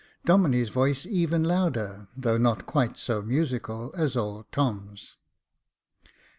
Domine's voice even louder, though not quite so musical as old Tom's.